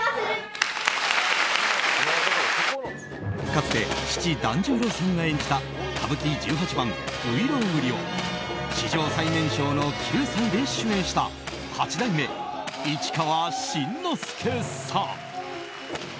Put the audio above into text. かつて父・團十郎さんが演じた歌舞伎十八番「外郎売」を史上最年少の９歳で主演した八代目市川新之助さん。